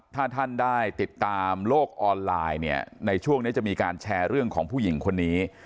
ถ้าท่านได้ติดตามโลกออนไลน์เนี่ยในช่วงนี้จะมีการแชร์เรื่องของผู้หญิงคนนี้